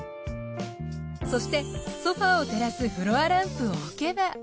そしてソファを照らすフロアランプを置けば。